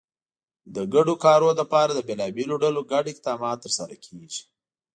د ګډو کارونو لپاره د بېلابېلو ډلو ګډ اقدامات ترسره کېږي.